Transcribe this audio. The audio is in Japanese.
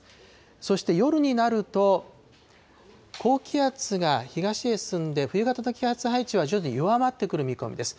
そして夜になると、高気圧が東へ進んで、冬型の気圧配置は徐々に弱まってくる見込みです。